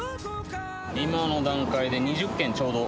今の段階で２０件ちょうど。